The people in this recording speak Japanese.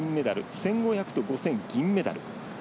１５００と５０００、銀メダル。